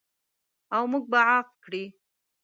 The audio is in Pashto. او موږ به عاق کړي.